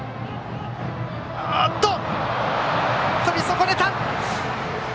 とり損ねた！